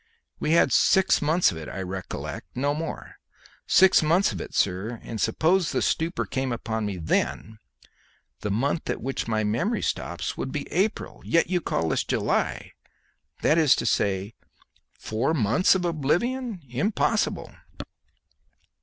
We had six months of it, I recollect no more. Six months of it, sir; and suppose the stupor came upon me then, the month at which my memory stops would be April. Yet you call this July; that is to say, four months of oblivion; impossible!"